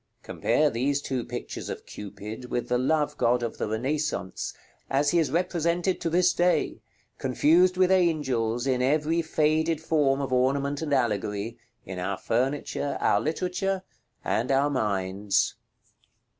Compare these two pictures of Cupid with the Love god of the Renaissance, as he is represented to this day, confused with angels, in every faded form of ornament and allegory, in our furniture, our literature, and our minds.